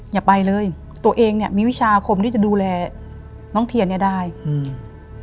อย่าไปเลยตัวเองเนี้ยมีวิชาคมที่จะดูแลน้องเทียนเนี้ยได้อืม